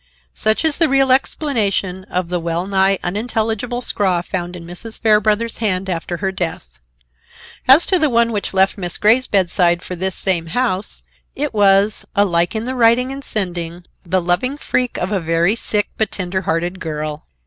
Such is the real explanation of the well nigh unintelligible scrawl found in Mrs. Fairbrother's hand after her death. As to the one which left Miss Grey's bedside for this same house, it was, alike in the writing and sending, the loving freak of a very sick but tender hearted girl.